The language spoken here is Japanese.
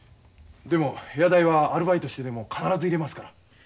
でも部屋代はアルバイトしてでも必ず入れますから。